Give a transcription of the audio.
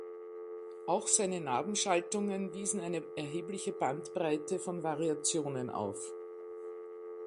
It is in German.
Auch seine Nabenschaltungen wiesen eine erhebliche Bandbreite von Variationen auf.